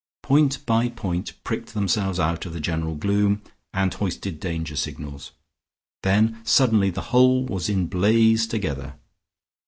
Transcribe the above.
Point by point pricked themselves out of the general gloom, and hoisted danger signals; then suddenly the whole was in blaze together.